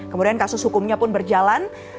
kemudian kasus hukumnya pun berjalan